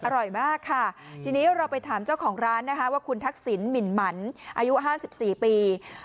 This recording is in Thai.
อร่อยมากค่ะทีนี้เราไปถามเจ้าของร้านนะคะว่าคุณทักษิณหมินหมันอายุ๕๔ปี